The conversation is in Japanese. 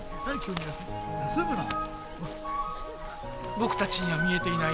僕たちには見えていない